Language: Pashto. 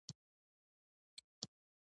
په دروازه کې یې وویشت او ځای پر ځای یې وواژه.